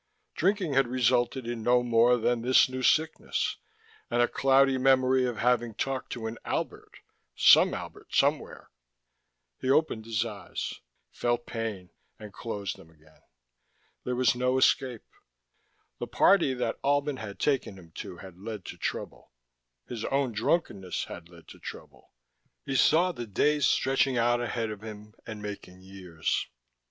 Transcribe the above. Drinking had resulted in no more than this new sickness, and a cloudy memory of having talked to an Albert, some Albert, somewhere.... He opened his eyes, felt pain and closed them again. There was no escape: the party Albin had taken him to had led to trouble, his own drunkenness had led to trouble. He saw the days stretching out ahead of him and making years.